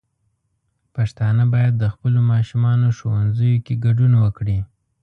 پښتانه بايد د خپلو ماشومانو ښوونځيو کې ګډون وکړي.